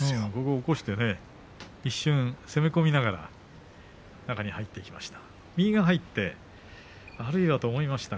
起こして一瞬攻め込みながら中に入っていきました。